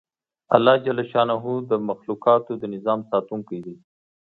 الله ج د مخلوقاتو د نظام ساتونکی دی